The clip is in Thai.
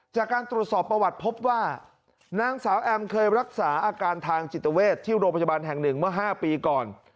จากการตรวจสอบประวัติพบว่านางสาวแอมเคยรักษาอาการทางจิตเวทที่โรงพยาบาลแห่งหนึ่งเมื่อ๕ปีก่อน